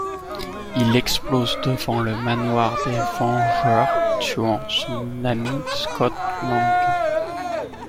Il explose devant le manoir des Vengeurs, tuant son ami Scott Lang.